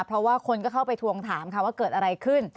เพราะว่าคนก็เข้าไปทวงถามค่ะว่าเกิดอะไรขึ้น